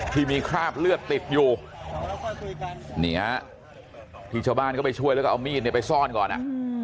ที่มีคราบเลือดติดอยู่นี่ฮะที่ชาวบ้านก็ไปช่วยแล้วก็เอามีดเนี่ยไปซ่อนก่อนอ่ะ